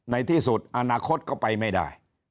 ในที่สุดอนาคตก็ไปไม่ได้